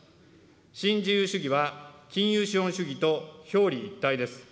新自由主義は金融資本主義と表裏一体です。